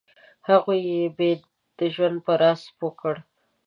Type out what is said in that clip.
هغوی یې د ژوند په راز پوه کړه.